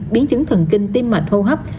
biến chứng thần kinh tim mệt hô hấp